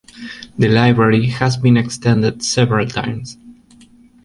The library has been extended several times.